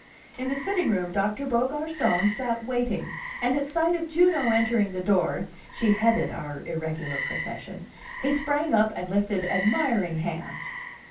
In the sitting room Doctor Beaugarcon sat waiting, and at sight of Juno entering the door (she headed our irregular procession) he sprang up and lifted admiring hands.